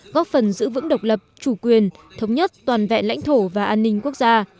góp phần giữ vững độc lập chủ quyền thống nhất toàn vẹn lãnh thổ và an ninh quốc gia